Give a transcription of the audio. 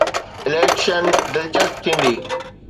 Election دلچسپ ٿيندي.